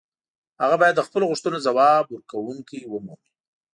هغه باید د خپلو غوښتنو ځواب ورکوونکې ومومي.